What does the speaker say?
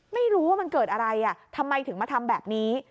ไม่รู้ว่ามันเกิดอะไรทำไมถึงมาทำแบบนี้